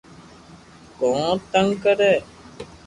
ڪون تنگ ڪري